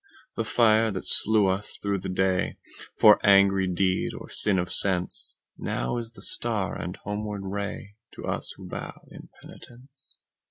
The fire that slew us through the dayFor angry deed or sin of senseNow is the star and homeward rayTo us who bow in penitence.